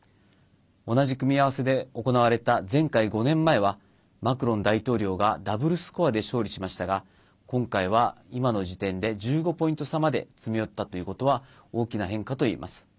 同じ組み合わせで行われた前回５年前はマクロン大統領がダブルスコアで勝利しましたが今回は、今の時点で１５ポイント差まで詰め寄ったということは大きな変化といえます。